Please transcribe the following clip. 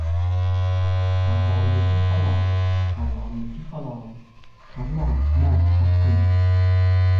— Tarlonniki halol, Tarlonniki halol! Tarlon, ma, haqing!